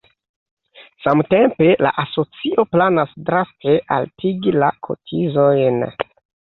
Samtempe la asocio planas draste altigi la kotizojn.